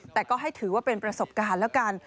แต่ก็ให้ถือว่าเป็นประสบการณ์แล้วกัน